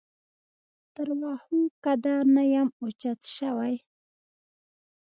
تر واښو قده نه یم اوچت شوی.